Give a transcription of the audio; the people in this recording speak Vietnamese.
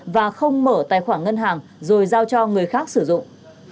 và không mở tài khoản ngân hàng rồi giao cho người khác sử dụng